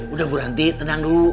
udah buranti tenang dulu